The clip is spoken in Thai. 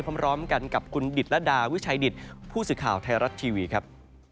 พร้อมกันกับคุณดิตรดาวิชัยดิตผู้สื่อข่าวไทยรัฐทีวีครับ